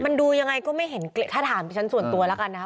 มันดูยังไงก็ไม่เห็นถ้าถามฉันส่วนตัวแล้วกันนะครับ